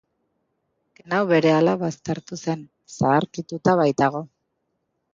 Azken hau berehala baztertu zen, zaharkituta baitago.